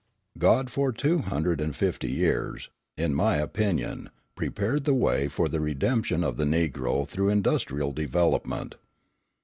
God for two hundred and fifty years, in my opinion, prepared the way for the redemption of the Negro through industrial development.